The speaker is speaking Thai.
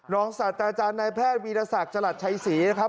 ศาสตราจารย์นายแพทย์วีรศักดิ์จรัสชัยศรีนะครับ